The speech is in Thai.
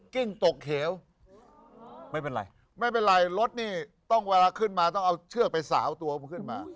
กิ้งตกเหวไม่เป็นไรไม่เป็นไรรถนี่ต้องเวลาขึ้นมาต้องเอาเชือกไปสาวตัวผมขึ้นมา